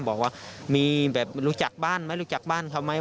บอกว่ามีแบบรู้จักบ้านไหมรู้จักบ้านเขาไหม